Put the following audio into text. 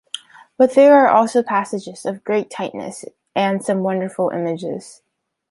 But there are also passages of great tightness and some wonderful images.